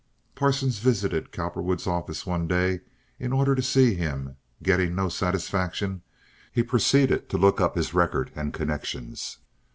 Parsons visited Cowperwood's office one day in order to see him; getting no satisfaction, he proceeded to look up his record and connections.